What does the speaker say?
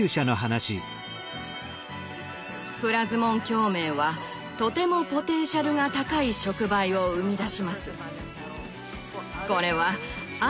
プラズモン共鳴はとてもポテンシャルが高い触媒を生み出します。